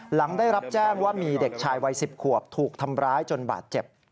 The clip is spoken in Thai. หลังได้รับแจ้งว่ามีเด็กชายวัย๑๐ขวบถูกทำร้ายจนบาดเจ็บ